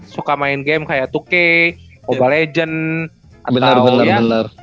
suka main game kayak dua k mobile legends atau ya